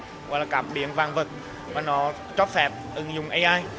gọi là cảm biến văn vật và nó cho phép ứng dụng ai